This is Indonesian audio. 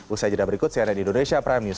usai jerakan berikut saya nedy duresya prime news